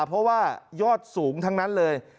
เพราะว่ายอดสูงทั้งนั้นเลย